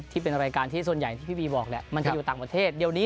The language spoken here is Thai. ที่เป็นรายการที่ส่วนใหญ่ที่พี่บีบอกแหละมันจะอยู่ต่างประเทศเดี๋ยวนี้